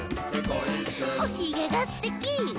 「おひげがすてき！」